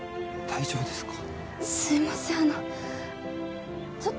大丈夫ですか？